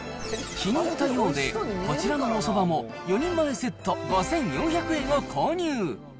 気に入ったようで、こちらのおそばも４人前セット５４００円を購入。